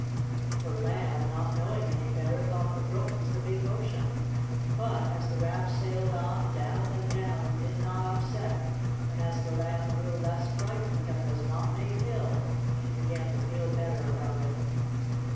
The Lamb, not knowing any better, thought the brook was the big ocean. But as the raft sailed on down and down and did not upset and as the Lamb grew less frightened and was not made ill, she began to feel better about it.